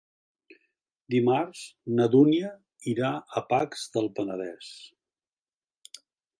Dimarts na Dúnia irà a Pacs del Penedès.